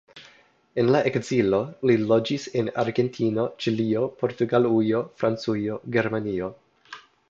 En la ekzilo, li loĝis en Argentino, Ĉilio, Portugalujo, Francujo, Germanio.